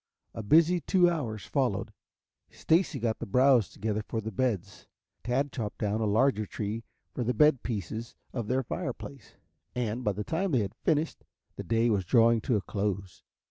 A busy two hours followed. Stacy got the browse together for the beds. Tad chopped down a larger tree for the bed pieces of their fireplace, and, by the time they had finished, the day was drawing to a close.